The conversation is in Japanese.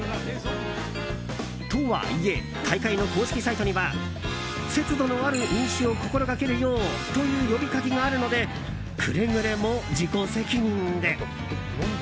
とはいえ、大会の公式サイトには節度のある飲酒を心がけるようという呼びかけがあるのでくれぐれも自己責任で。